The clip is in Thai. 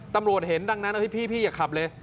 ตำรวจเห็นดังนั้นพี่อย่าขับเลย